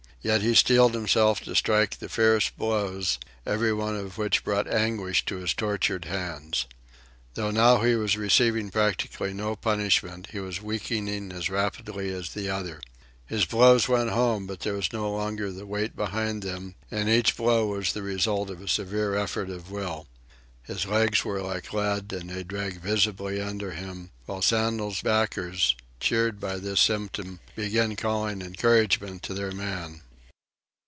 Yet he steeled himself to strike the fierce blows, every one of which brought anguish to his tortured hands. Though now he was receiving practically no punishment, he was weakening as rapidly as the other. His blows went home, but there was no longer the weight behind them, and each blow was the result of a severe effort of will. His legs were like lead, and they dragged visibly under him; while Sandel's backers, cheered by this symptom, began calling encouragement to their man.